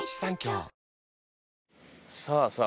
さあさあ